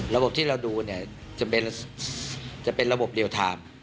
ระบบที่เราดูเนี่ยจะเป็นระบบเรียลไทม์